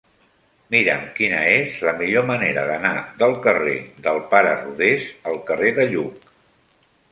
Mira'm quina és la millor manera d'anar del carrer del Pare Rodés al carrer de Lluc.